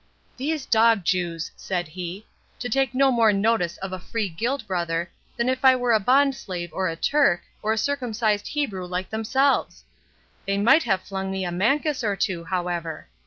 "These dog Jews!" said he; "to take no more notice of a free guild brother, than if I were a bond slave or a Turk, or a circumcised Hebrew like themselves! They might have flung me a mancus or two, however.